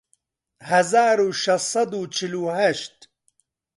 هەزار و شەش سەد و چل و هەشت